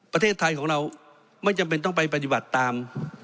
ประเทศไทยของเราไม่จำเป็นต้องไปปฏิบัติตาม